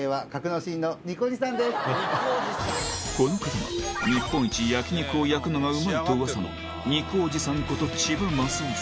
この方が日本一焼き肉を焼くのがうまいと噂の肉おじさんこと千葉祐士さん